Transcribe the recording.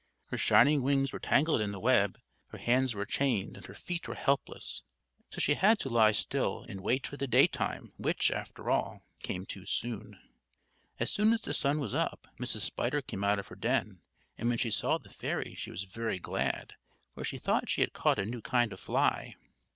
Her shining wings were tangled in the web, her hands were chained, and her feet were helpless; so she had to lie still and wait for the day time which, after all, came too soon. As soon as the sun was up, Mrs. Spider came out of her den; and when she saw the fairy she was very glad, for she thought she had caught a new kind of fly.